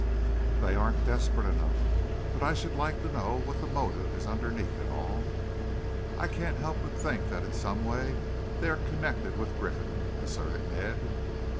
"They aren't desperate enough. But I should like to know what the motive is underneath it all." "I can't help but think that in some way they are connected with Griffin," asserted Ned.